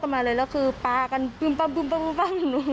มีส่วนนึงค่ะ